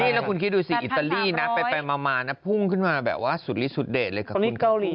นี่แล้วคุณคิดดูสิอิตาลีนะไปมาพุ่งขึ้นมาแบบว่าสุดลิดสุดเด็ดเลยค่ะคุณคุณคุณคุณ